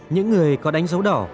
những người có đánh dấu đỏ